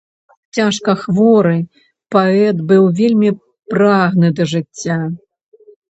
Цяжка хворы, паэт быў вельмі прагны да жыцця.